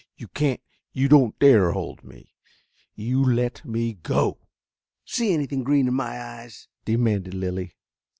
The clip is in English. You can't you don't dare hold me. You let me go!" "See anything green in my eyes?" demanded Lilly.